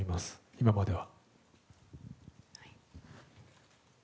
今までは。